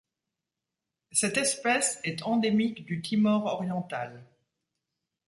Cette espèce est endémique du Timor oriental.